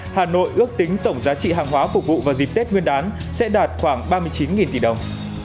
hà nội ước tính tổng giá trị hàng hóa phục vụ vào dịp tết nguyên đán sẽ đạt khoảng ba mươi chín tỷ đồng